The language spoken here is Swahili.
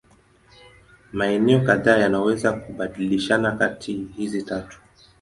Maeneo kadhaa yanaweza kubadilishana kati hizi tatu.